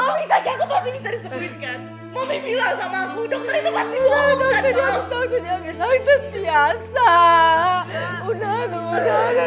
kaki aku pasti bisa disebutkan mami bilang sama aku dokter itu pasti bohong kan